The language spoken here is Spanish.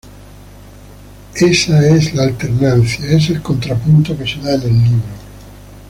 Esa es la alternancia, es el contrapunto que se da en el libro.